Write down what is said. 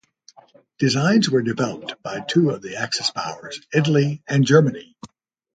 Designs were developed by two of the Axis Powers, Italy and Germany.